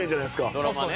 ドラマね